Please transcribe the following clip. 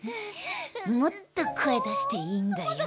もっと声出していいんだよ